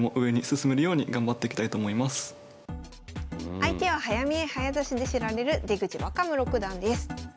相手は早見え早指しで知られる出口若武六段です。